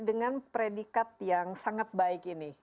dengan predikat yang sangat baik ini